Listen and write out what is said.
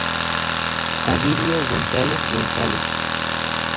Abilio González González.